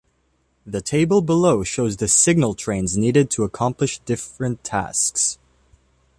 The table below shows the signal-trains needed to accomplish different tasks.